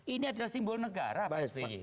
ini adalah simbol negara pak sby